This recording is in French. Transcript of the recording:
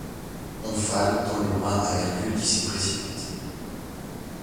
Omphale tend les bras à Hercule qui s'y précipite.